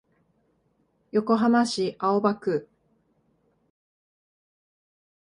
横浜市青葉区